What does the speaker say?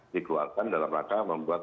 dikeluarkan dalam rangka membuat